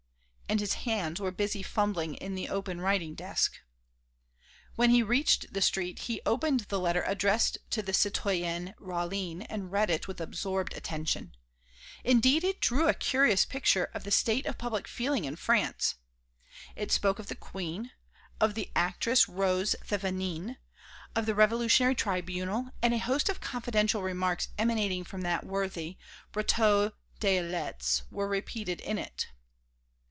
and his hands were busy fumbling in the open writing desk. When he reached the street, he opened the letter addressed to the citoyen Rauline and read it with absorbed attention. Indeed it drew a curious picture of the state of public feeling in France. It spoke of the Queen, of the actress Rose Thévenin, of the Revolutionary Tribunal and a host of confidential remarks emanating from that worthy, Brotteaux des Ilettes, were repeated in it.